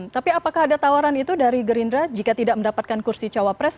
tapi apakah ada tawaran itu dari gerindra jika tidak mendapatkan kursi cawapres